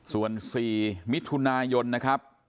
ส่วน๔มิถุนายนนะครับ